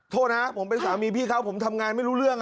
โทษนะผมเป็นสามีพี่เขาผมทำงานไม่รู้เรื่อง